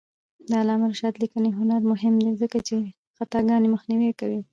د علامه رشاد لیکنی هنر مهم دی ځکه چې خطاګانې مخنیوی کوي.